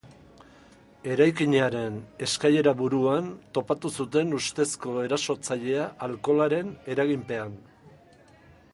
Eraikinaren eskailera-buruan topatu zuten ustezko erasotzailea alkoholaren eraginpean.